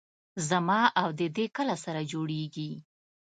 زما او د دې کله سره جوړېږي.